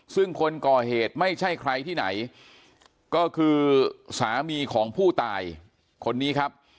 ซึ่งคนก่อเหตุไม่ใช่ใครที่ไหนก็คือสามีของผู้ตายคนนี้ครับ